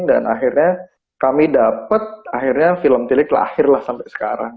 dan akhirnya kami dapat akhirnya film tilik lahir lah sampai sekarang